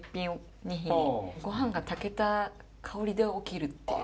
ごはんが炊けた香りで起きるっていう。